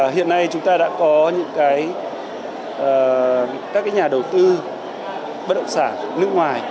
hiện nay chúng ta đã có những nhà đầu tư bất động sản nước ngoài